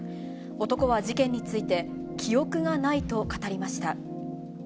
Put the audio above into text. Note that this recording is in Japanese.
男は事件について、記憶がないと語りました。